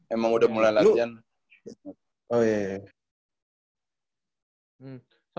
emang udah mulai latihan